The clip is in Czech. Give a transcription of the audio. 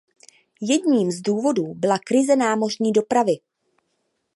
Jedním z důvodů byla krize námořní dopravy.